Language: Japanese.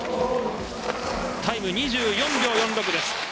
タイム２４秒４６です。